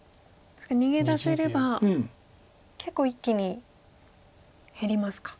逃げ出せれば結構一気に減りますか。